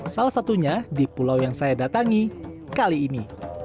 salah satunya di pulau yang saya datangi kali ini